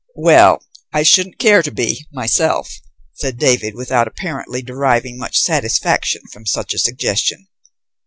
"Well, I shouldn't care to be, myself," said David, without apparently deriving much satisfaction from such a suggestion.